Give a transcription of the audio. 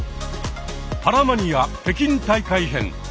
「パラマニア北京大会編」。